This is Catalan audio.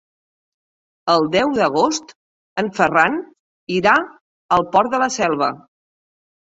El deu d'agost en Ferran irà al Port de la Selva.